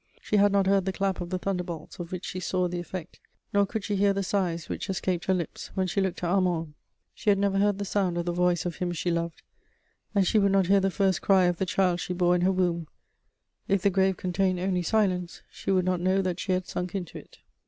She had not heard the clap of the thunderbolts of which she saw the effect, nor could she hear the sighs which escaped her lips when she looked at Armand; she had never heard the sound of the voice of him she loved, and she would not hear the first cry of the child she bore in her womb: if the grave contained only silence, she would not know that she had sunk into it.